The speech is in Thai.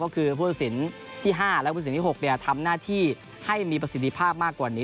ก็คือผู้ตัดสินที่๕และผู้สินที่๖ทำหน้าที่ให้มีประสิทธิภาพมากกว่านี้